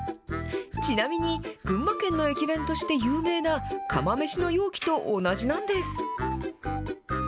ちなみに、群馬県の駅弁として有名な釜飯の容器と同じなんです。